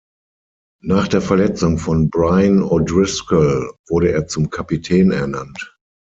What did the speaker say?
Nach der Verletzung von Brian O’Driscoll wurde er zum Kapitän ernannt.